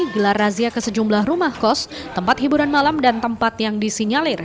gelar razia ke sejumlah rumah kos tempat hiburan malam dan tempat yang disinyalir